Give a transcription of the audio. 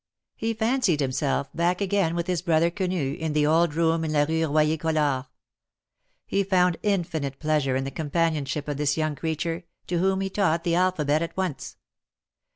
He fancied himself back again with his brother Quenu, in the old room in la Hue Royer Collard. He found infinite pleasure in the companionship of this young creature, to whom he taught the alphabet at once.